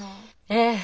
ええ。